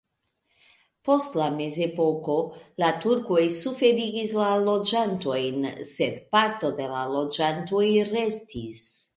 Post la mezepoko la turkoj suferigis la loĝantojn, sed parto de la loĝantoj restis.